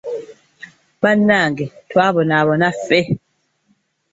Banage twabonaabona ffe.